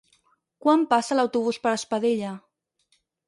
Quan passa l'autobús per Espadella?